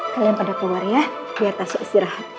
kalian pada keluar ya biar kasih istirahat